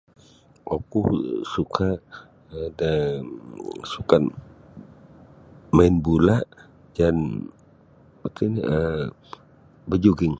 Oku suka da sukan main bola jaan apa ini um bajuging.